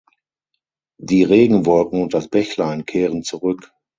Die Regenwolken und das Bächlein kehren zurück.